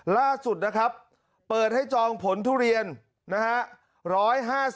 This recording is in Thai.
ล่าสุดนะครับเปิดให้จองผลทุเรียนนะฮะ